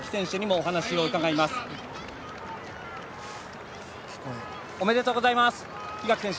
おめでとうございます、檜垣選手。